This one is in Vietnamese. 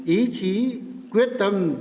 ý chí quyết tâm